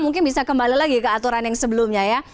mungkin bisa kembali lagi ke aturan yang sebelumnya ya